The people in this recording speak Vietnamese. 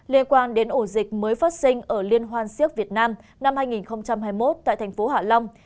liên quan đến ổ dịch mới phát sinh ở liên hoan siếc việt nam năm hai nghìn hai mươi một tại thành phố hạ long